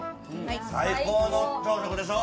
最高の朝食でしょ？